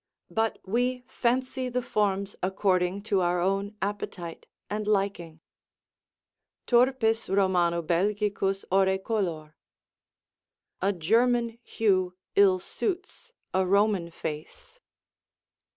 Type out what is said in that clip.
But we fancy the forms according to our own appetite and liking: Turpis Romano Belgicus ore color: "A German hue ill suits, a Roman face."